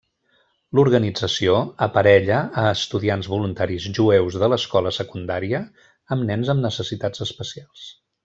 L'organització aparella a estudiants voluntaris jueus de l'escola secundària amb nens amb necessitats especials.